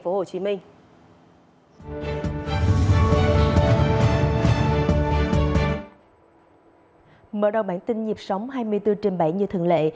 mở đầu bản tin nhịp sống hai mươi bốn trên bảy như thường lệ